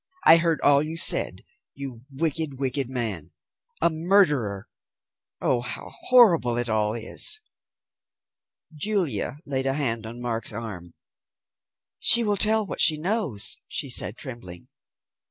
"I heard all you said, you wicked, wicked man. A murderer! Oh, how horrible it all is!" Julia laid a hand on Mark's arm. "She will tell what she knows," she said, trembling.